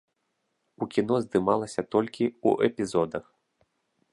У кіно здымалася толькі ў эпізодах.